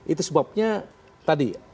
itu sebabnya tadi